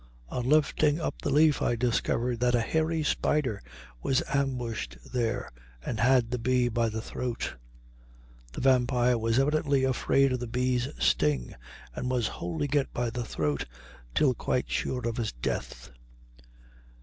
On lifting up the leaf I discovered that a hairy spider was ambushed there and had the bee by the throat. The vampire was evidently afraid of the bee's sting, and was holding it by the throat till quite sure of its death.